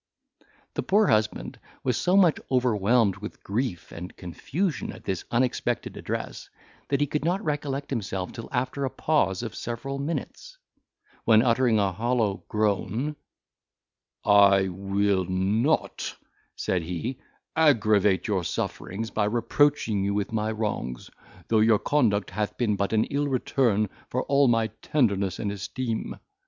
The poor husband was so much overwhelmed with grief and confusion at this unexpected address that he could not recollect himself till after a pause of several minutes, when uttering a hollow groan, "I will not," said he, "aggravate your sufferings, by reproaching you with my wrongs, though your conduct hath been but an ill return for all my tenderness and esteem.